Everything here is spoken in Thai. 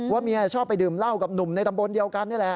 เมียชอบไปดื่มเหล้ากับหนุ่มในตำบลเดียวกันนี่แหละ